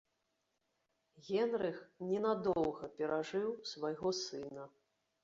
Генрых ненадоўга перажыў свайго сына.